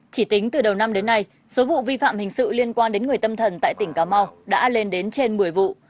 chỉ tính từ đầu năm đến nay số vụ vi phạm hình sự liên quan đến người tâm thần tại tỉnh cà mau đã lên đến trên một mươi vụ